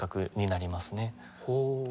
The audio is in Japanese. ほう。